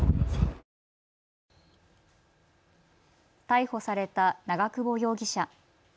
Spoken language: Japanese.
逮捕された長久保容疑者。